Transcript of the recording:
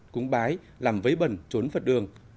cúng bái làm vấy bẩn trốn phật đường